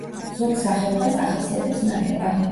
ზოგ სახეობას ახასიათებს ნათება.